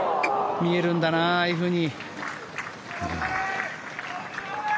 見えるんだな、ああいうふうに。